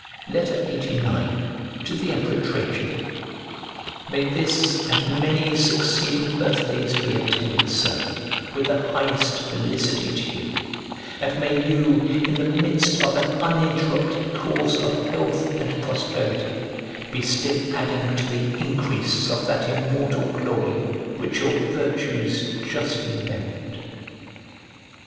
LXXXIX To THE EMPEROR TRAJAN MAY this and many succeeding birthdays be attended, Sir, with the highest felicity to you; and may you, in the midst of an uninterrupted course of health and prosperity, be still adding to the increase of that immortal glory which your virtues justly merit!